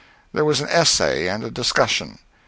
There was an essay and a discussion.